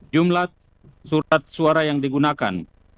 jumlah surat suara yang digunakan